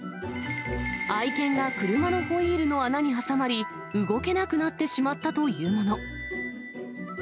愛犬が車のホイールの穴に挟まり、動けなくなってしまったというもの。